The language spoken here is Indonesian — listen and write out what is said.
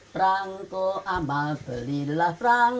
perang tu amat belilah perang